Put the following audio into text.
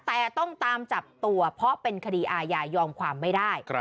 แต่ต้องตามจับตัวเพราะเป็นคดีอาญายอมความไม่ได้